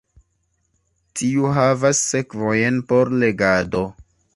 Tiu havas sekvojn por legado.